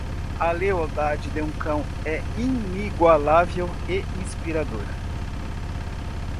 A lealdade de um cão é inigualável e inspiradora.